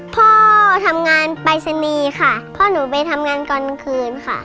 พ่อทำงานไปเสนีค่ะพ่อหนูไปทำงานกลางคืนค่ะ